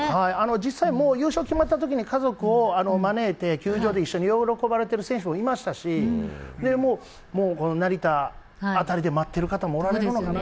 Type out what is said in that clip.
実際、もう優勝決まったときに、家族を招いて、球場で一緒に喜ばれてる選手もいましたし、もうこの成田辺りで待ってる方もおられるのかな。